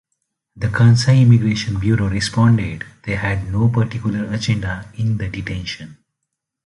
The Kansai immigration bureau responded they had "no particular agenda" in the detention.